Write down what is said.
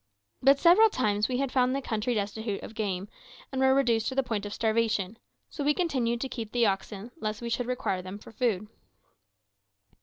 But several times we had found the country destitute of game, and were reduced to the point of starvation; so we continued to keep the oxen, lest we should require them for food.